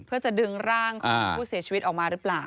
เพื่อจะดึงร่างของผู้เสียชีวิตออกมาหรือเปล่า